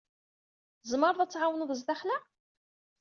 Tzemreḍ ad aɣ-tɛawneḍ sdaxel-a?